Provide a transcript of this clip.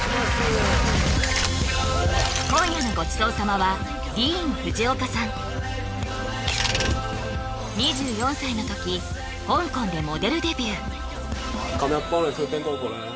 今夜のごちそう様はディーン・フジオカさん２４歳の時香港でモデルデビュー